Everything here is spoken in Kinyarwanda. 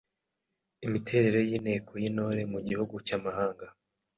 Imiterere y’Inteko y’Intore mu gihugu cy’amahanga